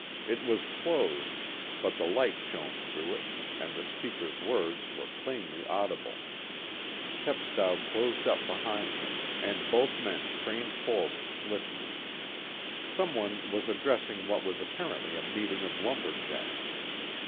It was closed, but the light shone through it, and the speaker's words were plainly audible. Chepstow closed up behind him, and both men craned forward listening. Some one was addressing what was apparently a meeting of lumber jacks.